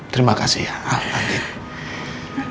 terima kasih ya alhamdulillah